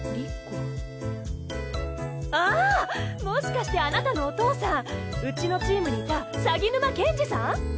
もしかしてあなたのお父さんうちのチームにいた鷺沼健児さん？